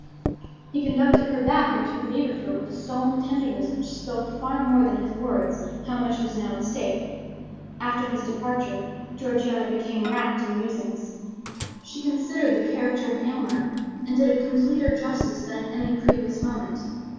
He conducted her back and took leave of her with a solemn tenderness which spoke far more than his words how much was now at stake. After his departure Georgiana became rapt in musings. She considered the character of Aylmer, and did it completer justice than at any previous moment.